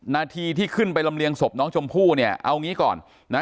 นาทีที่ขึ้นไปลำเลียงศพน้องชมพู่เนี่ยเอางี้ก่อนนะ